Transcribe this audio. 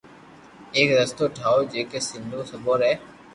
ايڪ رستو ٺاو جڪي سبو ري